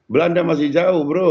belanda masih jauh bro